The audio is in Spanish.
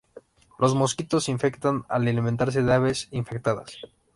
Los mosquitos se infectan al alimentarse de aves infectadas.